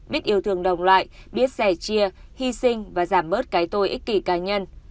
biết yêu thương đồng loại biết sẻ chia hy sinh và giảm bớt cái tôi ích kỷ cá nhân